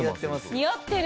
似合ってる！